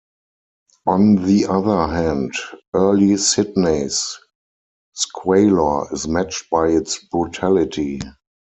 On the other hand, early Sydney's squalor is matched by its brutality.